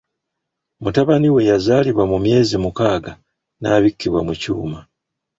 Mutabani we yazaalibwa ku myezi mukaaga n'abikkibwa mu kyuma.